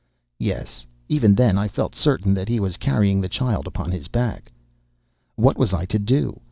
"Yes, even then I felt certain that he was carrying the child upon his back. "What was I to do?